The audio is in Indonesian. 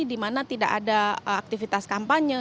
di mana tidak ada aktivitas kampanye